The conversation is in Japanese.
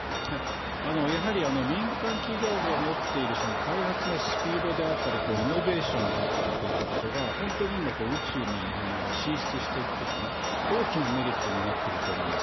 やはり民間企業が持っている開発のスピードであったり、イノベーションであったりといったことが、本当に今、宇宙に進出していくときの大きなメリットになってると思います。